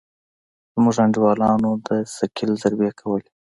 زموږ انډيوالانو د ثقيل ضربې کولې.